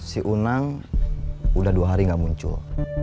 si unang udah dua hari gak muncul